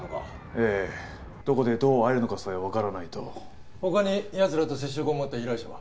ええどこでどう会えるのかさえ分からないと他にやつらと接触を持った依頼者は？